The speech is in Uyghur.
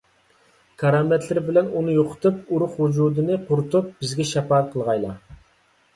كارامەتلىرى بىلەن ئۇنى يوقىتىپ، ئۇرۇق - ۋۇجۇدىنى قۇرۇتۇپ، بىزگە شاپائەت قىلغايلا.